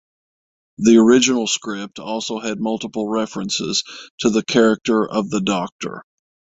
The original script also had multiple references to the character of the Doctor.